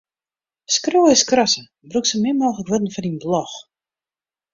Skriuwe is skrasse: brûk sa min mooglik wurden foar dyn blog.